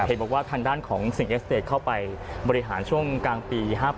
เห็นบอกว่าทางด้านของสิ่งเอสเตจเข้าไปบริหารช่วงกลางปี๕๘